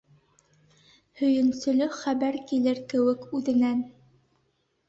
Һөйөнөслө хәбәр килер кеүек үҙенән.